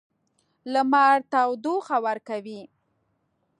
لمر تودوخه ورکوي.